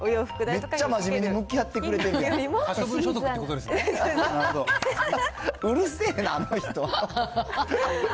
めっちゃ真面目に向き合ってくれてるやん。